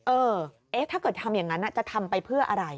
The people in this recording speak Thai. เออถ้าเกิดทำอย่างนั้นจะทำไปเพื่ออะไร